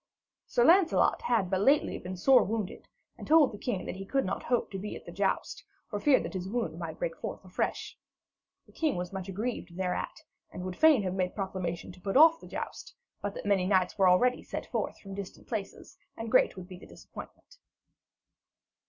Sir Lancelot had but lately been sore wounded, and told the king that he could not hope to be at the joust, for fear that his wound might break forth afresh. The king was much aggrieved thereat, and would fain have made proclamation to put off the joust, but that many knights were already set forth from distant places, and great would be the disappointment.